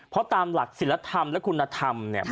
เพราะตามหลักศิลธรรมและคุณธรรมเนี่ย